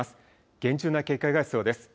厳重な警戒が必要です。